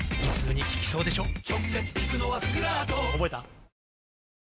直接効くのはスクラート覚えた？